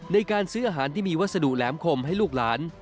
ในการซื้ออาหารที่มีวัสดุแหลมคมให้ลูกหลาน